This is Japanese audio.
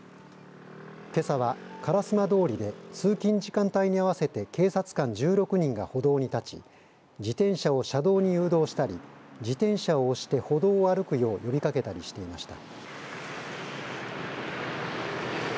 けさは、烏丸通で通勤時間帯に合わせて警察官１６人が歩道に立ち自転車を車道に誘導したり自転車を押して歩道を歩くよう呼びかけたりしていました。